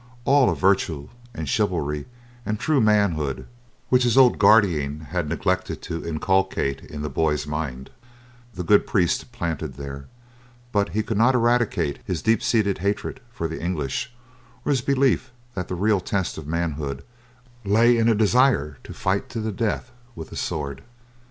All of virtue and chivalry and true manhood which his old guardian had neglected to inculcate in the boy's mind, the good priest planted there, but he could not eradicate his deep seated hatred for the English or his belief that the real test of manhood lay in a desire to fight to the death with a sword.